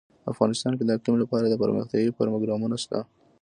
افغانستان کې د اقلیم لپاره دپرمختیا پروګرامونه شته.